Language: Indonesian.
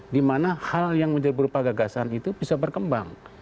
dimana hal yang berupa gagasan itu bisa berkembang